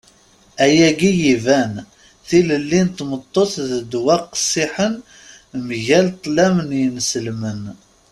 Ayagi iban. Tilelli n tmeṭṭut d ddwa qqessiḥen mgal ṭṭlam n yinselmen.